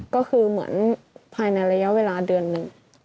ก็คือเหมือนภายในระยะเวลาเดือนหนึ่ง